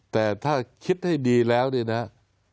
แต่ถ้าคิดให้ดีแล้วนะครับ